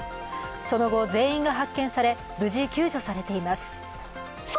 その後、全員が発見され無事、救助されています。